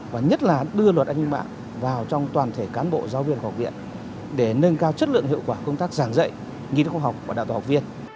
và nhất là đưa luật an ninh mạng vào trong toàn thể cán bộ giáo viên học viện để nâng cao chất lượng hiệu quả công tác giảng dạy nghiên cứu học và đạo tổ học viên